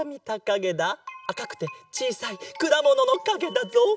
あかくてちいさいくだもののかげだぞ！